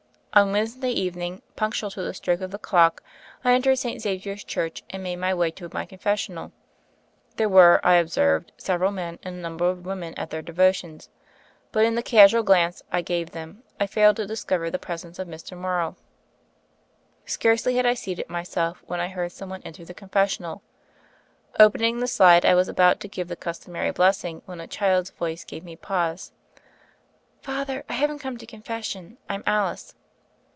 On Wednesday evening, punctual to the stroke of the clock, I entered St. Xavier's Church and made my way to my confessional. There were, I observed, several men and a number of women at their devotions; but in the casual glance I gave them I failed to discover the presence of Mr. Morrow. Scarcely had I seated myself, when I heard some one enter the con fessional. Opening the slide, I was about to give the customary blessing when a child's voice gave me pause. "Father, I haven't come to confession. I'm Alice."